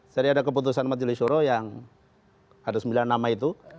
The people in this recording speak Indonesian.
jadi ada keputusan mat juli shoro yang ada sembilan nama itu